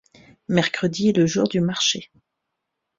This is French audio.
Mercredi est le jour du marché.